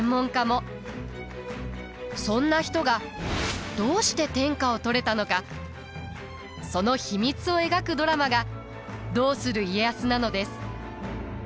そんな人がどうして天下を取れたのかその秘密を描くドラマが「どうする家康」なのです。